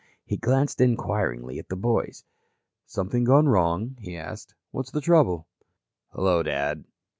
He glanced inquiringly at the boys. "Something gone wrong?" he asked. "What's the trouble?" "Hello, Dad."